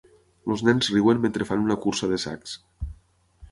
Els nens riuen mentre fan una cursa de sacs.